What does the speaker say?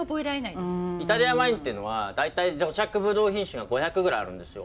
イタリアワインっていうのは大体土着ブドウ品種が５００ぐらいあるんですよ。